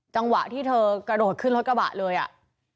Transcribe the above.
จังหวะที่เธอกระโดดขึ้นรถกระบะเลยอ่ะ